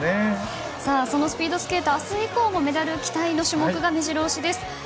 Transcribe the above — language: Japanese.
そのスピードスケートは明日以降もメダルが期待の種目が目白押しです。